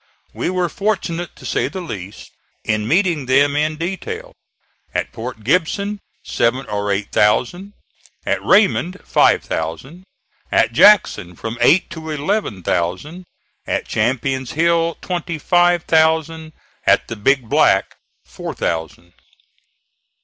We were fortunate, to say the least, in meeting them in detail: at Port Gibson seven or eight thousand; at Raymond, five thousand; at Jackson, from eight to eleven thousand; at Champion's Hill, twenty five thousand; at the Big Black, four thousand.